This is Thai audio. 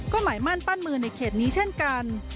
ก็หมายมั่นปั้นมือในเขตนี้เช่นกัน